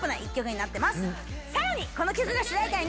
さらにこの曲が主題歌